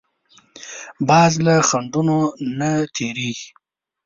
باز له خنډونو نه تېرېږي